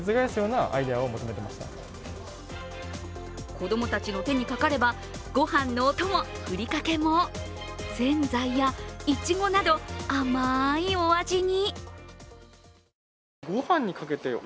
子供たちの手にかかればご飯のお供、ふりかけもぜんざいやいちごなど、甘いお味に。